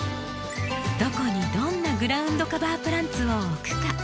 どこにどんなグラウンドカバープランツを置くか。